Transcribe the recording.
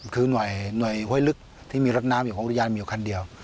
คือหน่วยห้วยลึกที่มีรถน้ำอยู่ของอุทยานมีอยู่คันเดียว